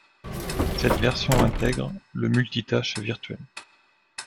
Cette version intègre le multitâche virtuel.